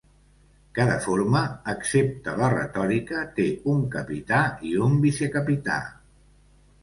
Cada forma, excepte la retòrica, té un capità i un vicecapità.